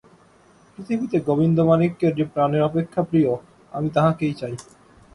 পৃথিবীতে গোবিন্দমাণিক্যের যে প্রাণের অপেক্ষা প্রিয়, আমি তাহাকেই চাই।